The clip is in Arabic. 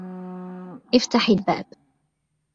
افتح الباب.